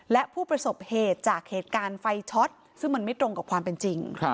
และผู้ประสบเหตุจากเหตุการณ์ไฟช็อตซึ่งมันไม่ตรงกับความเป็นจริง